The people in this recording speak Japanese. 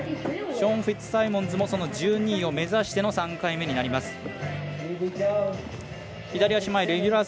ショーン・フィッツサイモンズもその１２位を目指しての３回目になります。